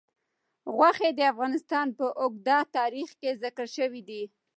غوښې د افغانستان په اوږده تاریخ کې ذکر شوي دي.